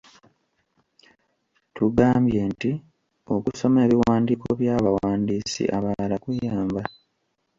Tugambye nti okusoma ebiwandiiko by’abawandiisi abalala kuyamba.